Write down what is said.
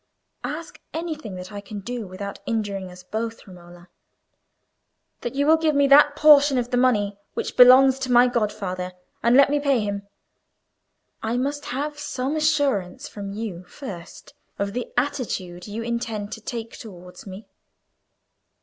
"Ask anything that I can do without injuring us both, Romola." "That you will give me that portion of the money which belongs to my godfather, and let me pay him." "I must have some assurance from you, first, of the attitude you intend to take towards me."